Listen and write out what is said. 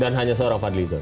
dan hanya seorang fadlizon